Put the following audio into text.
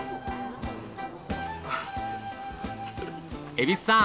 蛭子さん